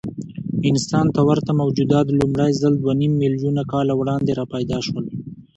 انسان ته ورته موجودات لومړی ځل دوهنیممیلیونه کاله وړاندې راپیدا شول.